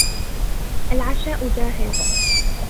العشاء جاهز